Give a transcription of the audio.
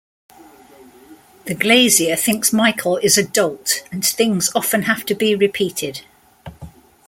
The glazier thinks Michel is a dolt, and things often have to be repeated.